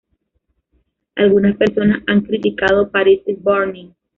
Algunas personas han criticado "Paris Is Burning".